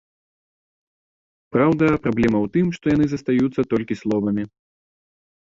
Праўда, праблема ў тым, што яны застаюцца толькі словамі.